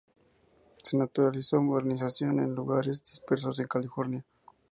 Se naturalizó moderación en lugares dispersos en California.